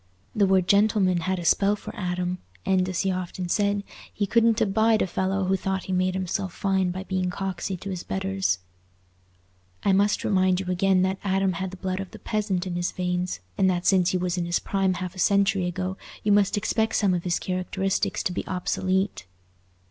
The word "gentleman" had a spell for Adam, and, as he often said, he "couldn't abide a fellow who thought he made himself fine by being coxy to's betters." I must remind you again that Adam had the blood of the peasant in his veins, and that since he was in his prime half a century ago, you must expect some of his characteristics to be obsolete.